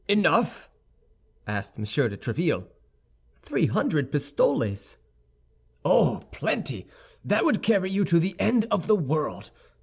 "Enough?" asked M. de Tréville. "Three hundred pistoles." "Oh, plenty! That would carry you to the end of the world.